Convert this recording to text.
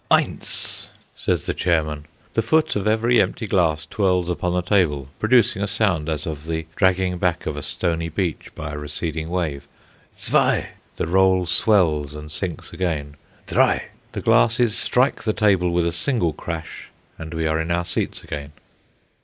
"Eins!" says the chairman. The foot of every empty glass twirls upon the table, producing a sound as of the dragging back of a stony beach by a receding wave. "Zwei!" The roll swells and sinks again. "Drei!" The glasses strike the table with a single crash, and we are in our seats again.